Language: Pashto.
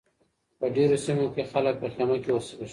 په ډېرو سیمو کې خلک په خیمه کې اوسیږي.